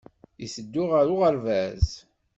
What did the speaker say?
Iteddu ɣer uɣerbaz.